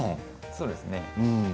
そうですね。